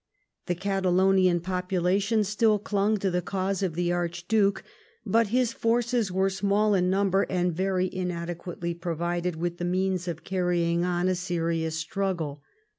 The Catalonian popu lation still clung to the cause of the Archduke, but his forces were small in number and very inadequately provided with the means of carrying on a serious struggle.